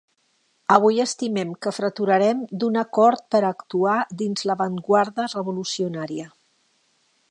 Avui estimem que freturarem d'un acord per a actuar dins l'avantguarda revolucionària.